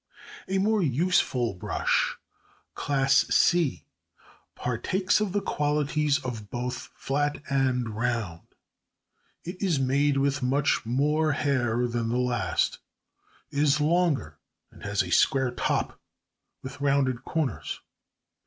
A more useful brush (Class C) partakes of the qualities of both flat and round. It is made with much more hair than the last, is longer, and has a square top with rounded corners.